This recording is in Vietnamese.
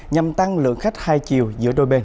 nhằm tăng lượng khách hai chiều giữa đôi bên